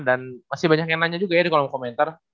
dan masih banyak yang nanya juga ya di kolom komentar